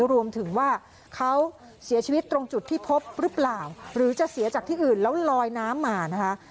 รวมถึงว่าเขาเสียชีวิตตรงจุดที่พบหรือเปล่าหรือจะเสียจากที่อื่นแล้วลอยน้ำมานะคะ